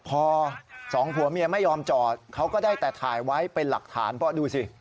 พอสองผัวเมียไม่ยอมจอดเขาก็ได้แต่ถ่ายไว้เป็นหลักฐานเพราะดูสิ